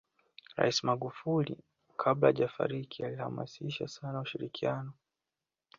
rais magufuli kabla hajafariki alihamasisha sana ushirikianao